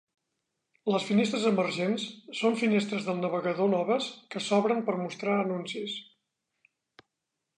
Les finestres emergents són finestres del navegador noves que s'obren per mostrar anuncis.